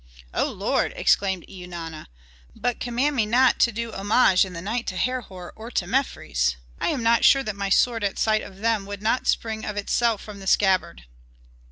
"Oh lord!" exclaimed Eunana, "but command me not to do homage in the night to Herhor, or to Mefres. I am not sure that my sword at sight of them would not spring of itself from the scabbard."